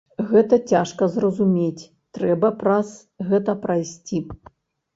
Гэта цяжка зразумець, трэба праз гэта прайсці.